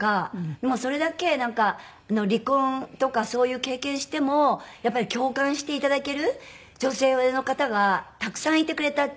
でもそれだけ離婚とかそういう経験してもやっぱり共感していただける女性の方がたくさんいてくれたっていうのは。